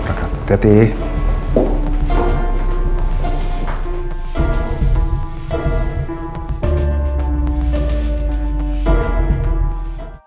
waalaikumsalam warahmatullahi wabarakatuh